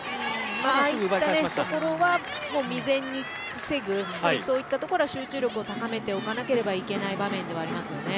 ああいったところは未然に防ぐそういったところは集中力を高めておかなければいけない場面ではありますよね。